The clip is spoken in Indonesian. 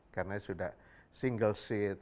karena sudah single seat